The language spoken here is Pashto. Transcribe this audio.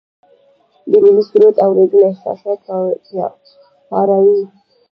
د ملي سرود اوریدل احساسات پاروي.